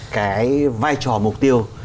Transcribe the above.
cái vai trò mục tiêu